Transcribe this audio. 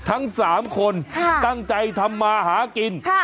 ทั้งสามคนค่ะตั้งใจทำมาหากินค่ะ